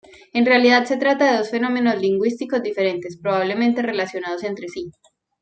En realidad se trata de dos fenómenos lingüísticos diferentes, probablemente relacionados entre sí.